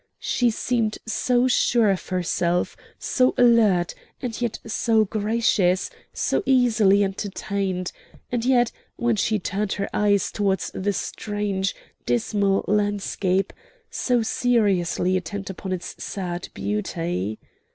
She seemed so sure of herself, so alert, and yet so gracious, so easily entertained, and yet, when she turned her eyes towards the strange, dismal landscape, so seriously intent upon its sad beauty.